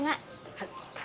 はい。